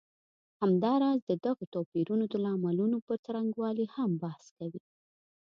همداراز د دغو توپیرونو د لاملونو پر څرنګوالي هم بحث کوي.